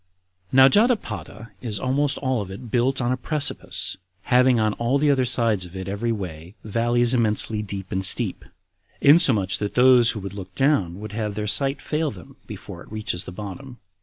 7. Now Jotapata is almost all of it built on a precipice, having on all the other sides of it every way valleys immensely deep and steep, insomuch that those who would look down would have their sight fail them before it reaches to the bottom.